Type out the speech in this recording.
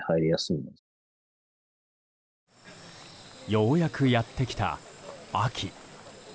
ようやくやってきた秋。